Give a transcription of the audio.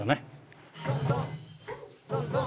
ドンドン！